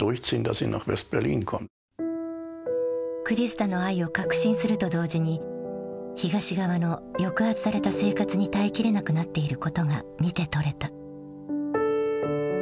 クリスタの愛を確信すると同時に東側の抑圧された生活に耐えきれなくなっていることが見て取れた。